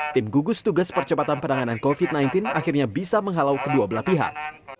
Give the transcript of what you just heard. tim gugus tugas percepatan penanganan covid sembilan belas akhirnya bisa menghalau kedua belah pihak